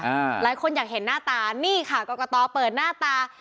หลายคนอยากเห็นหน้าตานี่ค่ะกรกตเปิดหน้าตา